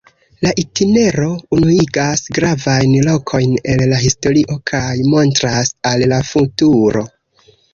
La itinero unuigas gravajn lokojn el la historio kaj montras al la futuro.